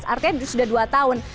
artinya sudah dua tahun